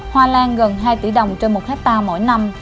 hoa lan gần hai tỷ đồng trên một hectare mỗi năm